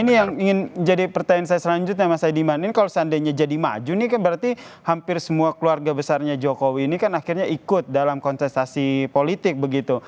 ini yang ingin jadi pertanyaan saya selanjutnya mas saidiman ini kalau seandainya jadi maju nih kan berarti hampir semua keluarga besarnya jokowi ini kan akhirnya ikut dalam kontestasi politik begitu